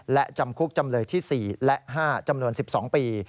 และจำคุกจำเลยที่๔และ๕จำนวน๑๒ปี